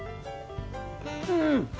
うん！